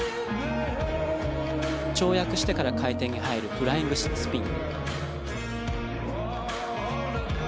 跳躍してから回転に入るフライングシットスピン。